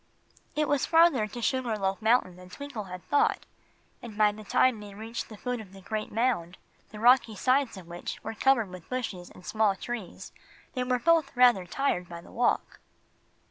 It was farther to Sugar Loaf Mountain than Twinkle had thought, and by the time they reached the foot of the great mound, the rocky sides of which were covered with bushes and small trees, they were both rather tired by the walk.